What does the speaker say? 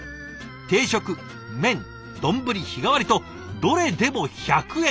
定食麺丼日替わりとどれでも１００円！